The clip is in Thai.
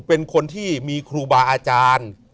เป็นคนที่มีครูบาอาจารย์